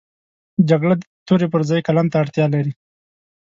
جګړه د تورې پر ځای قلم ته اړتیا لري